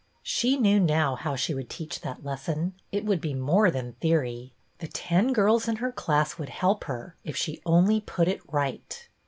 'I She knew now how she would teach that | lesson ; it would be more than theory. The •{ ten girls in her class would help her, if she only put it right.